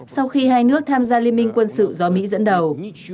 sau khi hai nước tham gia liên minh quân sự do mỹ dẫn đầu